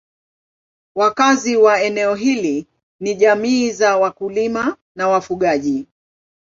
Wakazi wa eneo hili ni jamii za wakulima na wafugaji.